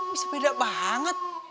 bisa beda banget